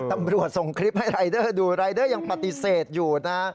ตำรวจส่งคลิปให้รายเดอร์ดูรายเดอร์ยังปฏิเสธอยู่นะ